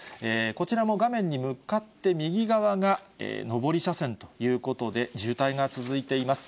こちらも画面に向かって右側が上り車線ということで、渋滞が続いています。